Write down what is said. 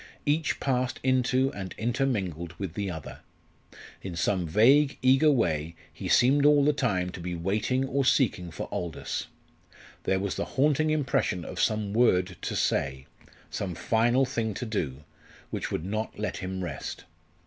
Each passed into and intermingled with the other. In some vague, eager way he seemed all the time to be waiting or seeking for Aldous. There was the haunting impression of some word to say some final thing to do which would not let him rest.